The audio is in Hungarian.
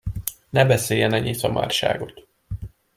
Ne beszéljen ennyi szamárságot!